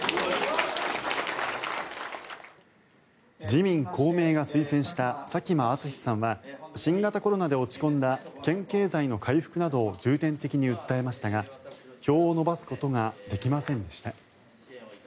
自民・公明が推薦した佐喜真淳さんは新型コロナで落ち込んだ県経済の回復などを重点的に訴えましたが票を伸ばすことができませんでした。